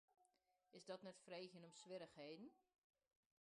Is dat net freegjen om swierrichheden?